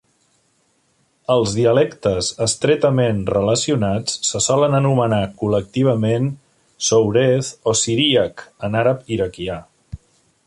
Els dialectes estretament relacionats se solen anomenar col·lectivament "Soureth", o "siríac" en àrab iraquià.